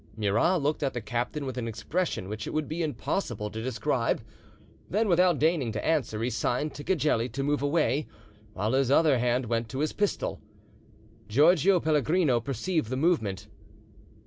Murat looked at the captain with an expression which it would be impossible to describe; then without deigning to answer, he signed to Cagelli to move away, while his other hand went to his pistol. Giotgio Pellegrino perceived the movement.